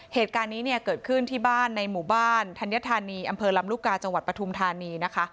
เหตุการณ์นี้เนี่ยเกิดขึ้นที่บ้านในหมู่บ้านธัญธานีอำเภอลำลูกกาจังหวัดปฐุมธานีนะคะ